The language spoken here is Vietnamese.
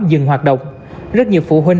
dừng hoạt động rất nhiều phụ huynh